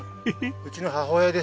うちの母親です。